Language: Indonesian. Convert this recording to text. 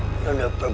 tidak ada tepung